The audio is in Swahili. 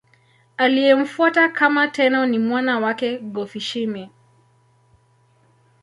Aliyemfuata kama Tenno ni mwana wake Go-Fushimi.